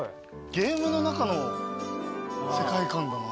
ゲームの中の世界観だな。